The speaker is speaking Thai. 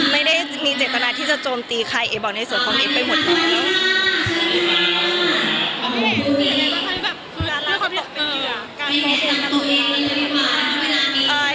ไม่ได้มีเจตนาที่จะโจมตีใครเอ๋บอกในส่วนของเอ๊ไปหมดเลย